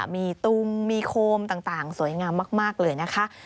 มีตุมมีโคมต่างสวยงามมากเลยนะคะ